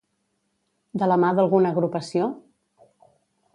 De la mà d'alguna agrupació?